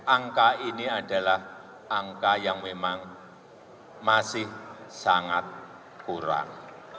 angka ini adalah angka yang memang masih sangat kurang